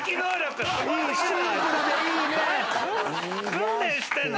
訓練してんの？